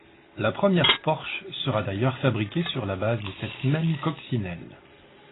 La première Porsche sera d'ailleurs fabriquée sur la base de cette même Coccinelle.